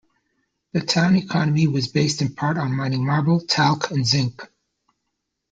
The town economy was based in part on mining marble, talc, and zinc.